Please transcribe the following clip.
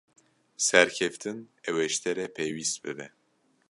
Serkeftin ew ê ji te re pêwîst bibe.